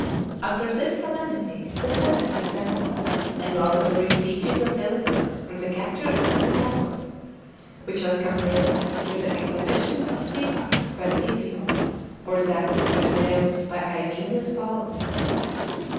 After this solemnity the senate assembled and laudatory speeches were delivered on the capture of Caractacus, which was compared to the exhibition of Syphax by Scipio, or that of Perseus by JSmilius Paullus.